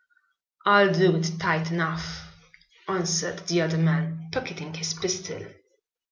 "I'll do it tight enough," answered the other man, pocketing his pistol.